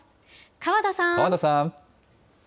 川田さん。